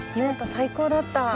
最高だった。